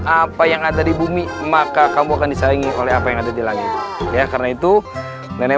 apa yang ada di bumi maka kamu akan disaingi oleh apa yang ada di langit ya karena itu nenek